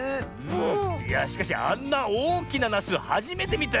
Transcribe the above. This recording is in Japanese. いやしかしあんなおおきななすはじめてみたよ。